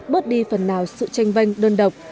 bớt đi phần nào sự tranh vanh đơn độc